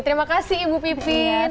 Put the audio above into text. terima kasih ibu pipin